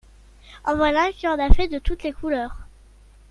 En voilà un qui en a fait de toutes les couleurs…